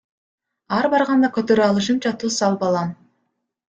Ар барганда көтөрө алышымча туз салып алам.